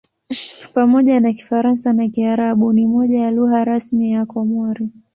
Pamoja na Kifaransa na Kiarabu ni moja ya lugha rasmi ya Komori.